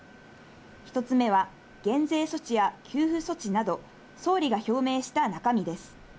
１つ目は減税処置や給付措置など総理が表明した中身です。